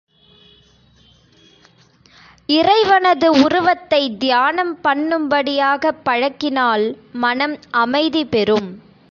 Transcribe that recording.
இறைவனது உருவத்தைத் தியானம் பண்ணும்படியாகப் பழக்கினால் மனம் அமைதி பெறும்.